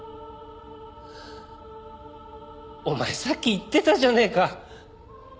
お前さっき言ってたじゃねえか。